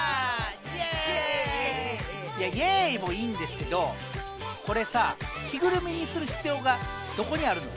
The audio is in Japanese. イエイもいいんですけどこれさ着ぐるみにする必要がどこにあるの？